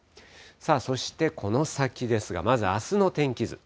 そしてこの先ですが、まずあすの天気図。